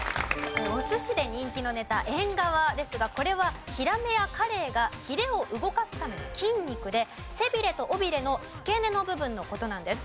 お寿司で人気のネタえんがわですがこれはヒラメやカレイがヒレを動かすための筋肉で背ビレと尾ビレの付け根の部分の事なんです。